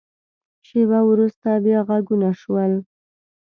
شیبه وروسته، بیا غږونه شول.